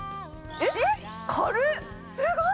えっすごい！